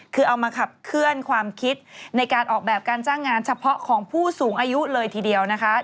คือเอามาขับเคลื่อนความคิดในการออกแบบการจ้างงานเฉพาะของผู้สูงอายุเลยทีเดียวนะคะ